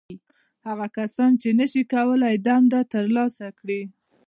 • هغه کسانو، چې نهشوی کولای دنده تر سره کړي.